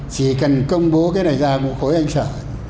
chỉ cần công bố cái này ra một khối anh chở